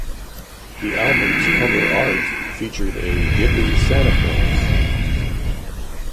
The album's cover art featured a hippie Santa Claus.